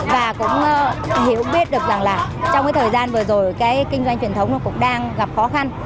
và cũng hiểu biết được rằng là trong cái thời gian vừa rồi cái kinh doanh truyền thống nó cũng đang gặp khó khăn